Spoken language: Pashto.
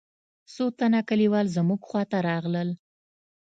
څو تنه کليوال زموږ خوا ته راغلل.